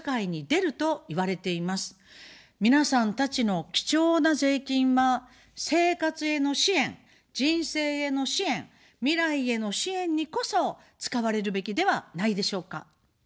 皆さんたちの貴重な税金は、生活への支援、人生への支援、未来への支援にこそ使われるべきではないでしょうか。